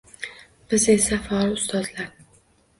Biz esa faol ustozlar.